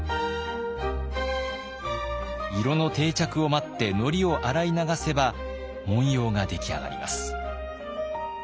色の定着を待ってのりを洗い流せば紋様が出来上がります。